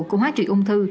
của hóa trị ung thư